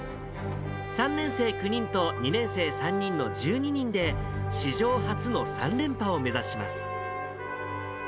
３年生９人と２年生３人の１２人で、史上初の３連覇を目指します。